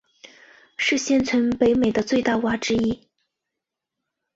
是现存北美的最大的蛙之一。